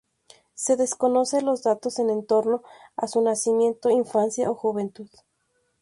Se desconocen los datos en torno a su nacimiento, infancia o juventud.